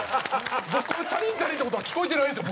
僕チャリンチャリンって音は聞こえてないんですよ